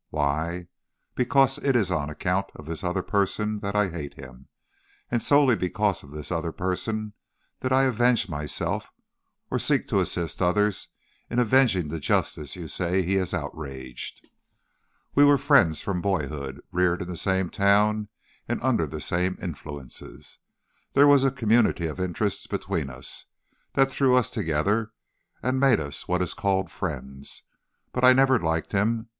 Why? because it is on account of this other person that I hate him, and solely because of this other person that I avenge myself, or seek to assist others in avenging the justice you say he has outraged. "We were friends from boyhood. Reared in the same town and under the same influences, there was a community of interests between us that threw us together and made us what is called friends. But I never liked him.